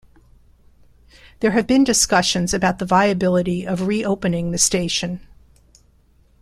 There have been discussions about the viability of re-opening the station.